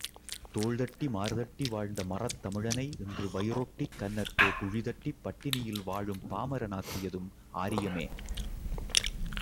தோள் தட்டி மார்தட்டி, வாழ்ந்த மறத்தமிழனை இன்று வயிறொட்டிக் கன்னத்தே குழிதட்டிப் பட்டினியில் வாழும் பாமரானாக்கியதும் ஆரியமே!